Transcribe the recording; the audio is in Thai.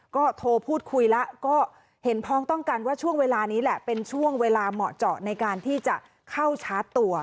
ก็โทรพูดคุยแล้วก็เห็นพ้องต้องกันว่าช่วงเวลานี้แหละเป็นช่วงเวลาเหมาะเจาะในการที่จะเข้าชาร์จตัว